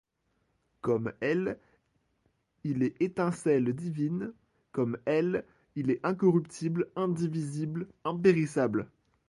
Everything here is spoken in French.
Comme elle il est étincelle divine, comme elle il est incorruptible, indivisible, impérissable.